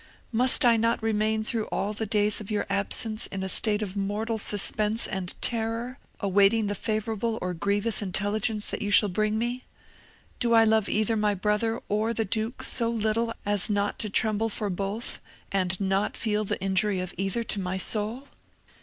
Must not I remain through all the days of your absence in a state of mortal suspense and terror, awaiting the favourable or grievous intelligence that you shall bring me! Do I love either my brother or the duke so little as not to tremble for both, and not feel the injury of either to my soul?"